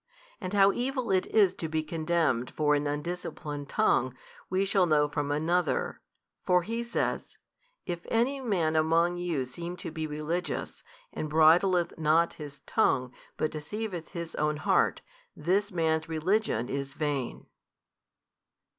And how evil it is to be condemned for an undisciplined tongue, we shall know from another: for he says, If any man among you seem to be religious, and bridleth not his tongue but deceiveth his own heart, this man's religion is vain.